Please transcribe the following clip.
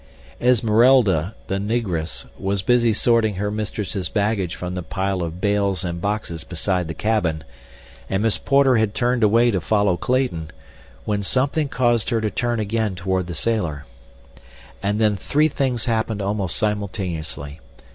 Esmeralda, the Negress, was busy sorting her mistress' baggage from the pile of bales and boxes beside the cabin, and Miss Porter had turned away to follow Clayton, when something caused her to turn again toward the sailor. And then three things happened almost simultaneously.